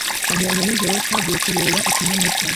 Twamubonye nijoro twagiye kureba ikinamico